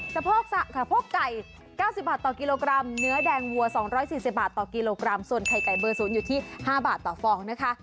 สะโพกไก่๙๐บาทต่อกิโลกรัมเนื้อแดงวัว๒๔๐บาทต่อกิโลกรัมส่วนไข่ไก่เบอร์๐อยู่ที่๕บาทต่อฟองนะคะ